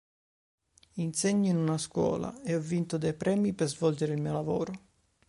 Insegno in una scuola e ho vinto dei premi per svolgere il mio lavoro.